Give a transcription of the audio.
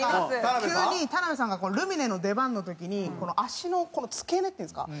急に田辺さんがルミネの出番の時に足のこの付け根っていうんですか？